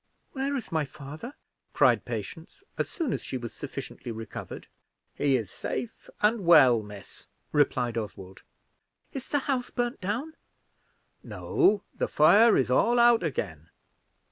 "Where is my father?" cried Patience, as soon as she was sufficiently recovered. "He is safe and well, miss," replied Oswald. "Is the house burned down?" "No. The fire is all out again."